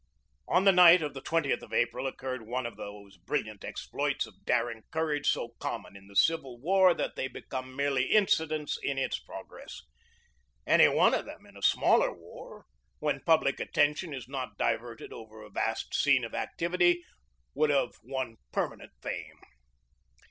On the night of the 2Oth of April occurred one of those brilliant exploits of daring courage so common in the Civil War that they became merely incidents of its progress. Any one of them in a smaller war, when public attention is not diverted over a vast scene of activity, would have won permanent fame.